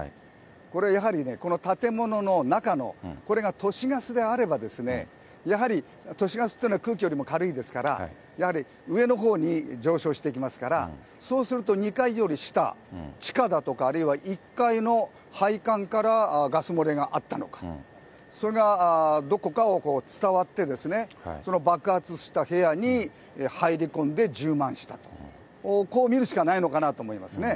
これ、やはりね、この建物の中の、これが都市ガスであれば、やはり都市ガスっていうのは空気よりも軽いですから、やはり上のほうに上昇していきますから、そうすると、２階より下、地下だとか、あるいは１階の配管からガス漏れがあったのか、それがどこかを伝わって、その爆発した部屋に入り込んで、充満したと、こう見るしかないのかなと思いますね。